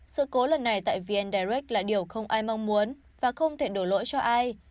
sự cố lần này tại vn direct là điều không ai mong muốn và không thể đổ lỗi cho ai